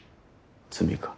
罪か？